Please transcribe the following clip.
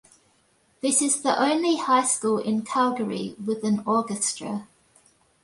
This is the only high school in Calgary with an Orchestra.